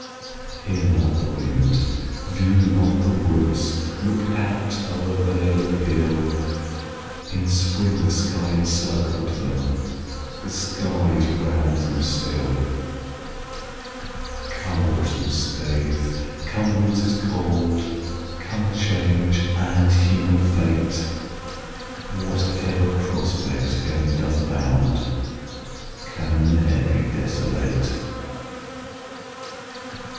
Hear not the wind, view not the woods; Look out o'er vale and hill In spring, the sky encircled them, The sky is round them still. Come autumn's scathe, come winter's cold, Come change, and human fate! Whatever prospect Heaven doth bound, Can ne'er be desolate.